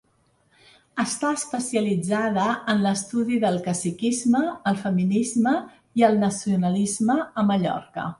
Està especialitzada en l'estudi del caciquisme, el feminisme i el nacionalisme a Mallorca.